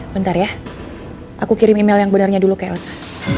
bentar ya aku kirim email yang benarnya dulu ke elsa